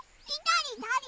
だれ？